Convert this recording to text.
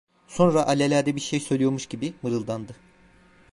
Sonra, alelade bir şey söylüyormuş gibi, mırıldandı.